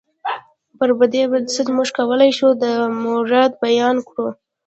پر دې بنسټ موږ کولی شو دا موارد بیان کړو.